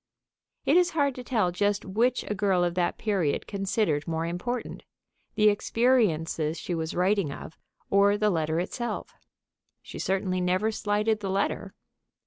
It is hard to tell just which a girl of that period considered more important, the experiences she was writing of or the letter itself. She certainly never slighted the letter.